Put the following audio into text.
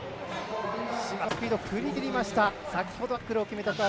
島川のスピード振り切りました。